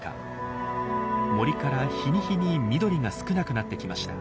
森から日に日に緑が少なくなってきました。